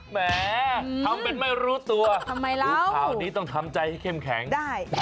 แหมทำเป็นไม่รู้ตัวข่าวนี้ต้องทำใจให้เข้มแข็งทำไมเรา